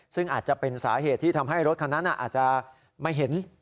ซึ่งอาจจะเป็นสาเหตุที่ทำให้รถคันนั้นอาจจะไม่เห็น